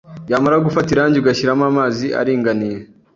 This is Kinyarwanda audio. byamara gufata irangi ugashyiramo amazi aringaniye